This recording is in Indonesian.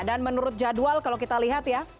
dan menurut jadwal kalau kita lihat ya